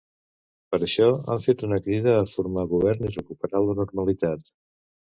Per això, han fet una crida a formar govern i recuperar la normalitat.